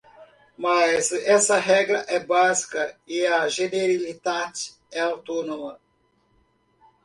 Mas essa regra é básica e a Generalitat é autônoma.